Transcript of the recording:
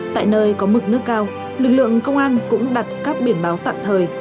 tại nơi có mực nước cao lực lượng công an cũng đặt các biển báo tạm thời